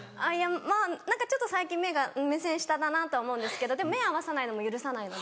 まぁちょっと最近目線下だなとは思うんですけどでも目合わさないのも許さないので。